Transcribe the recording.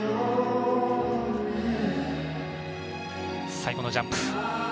最後のジャンプ。